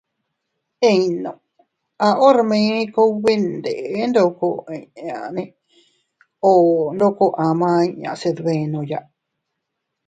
Innu..- A hormin kugbi ndeʼen ndoko inñiinne o ndoko ama inña se dbenoya.